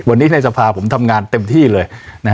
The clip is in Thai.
วันนี้ในสภาผมทำงานเต็มที่เลย